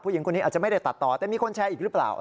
หญิงคนนี้อาจจะไม่ได้ตัดต่อแต่มีคนแชร์อีกหรือเปล่า